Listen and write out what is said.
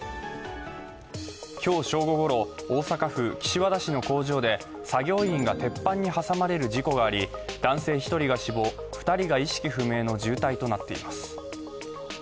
今日正午ごろ大阪府岸和田市の工場で作業員が鉄板に挟まれる事故があり、男性１人が死亡、２人が意識不明の重体となっています。